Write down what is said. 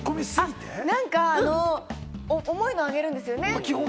何か重いのを上げるんですよね？